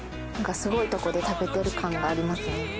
すごいとこで食べてる感がありますね。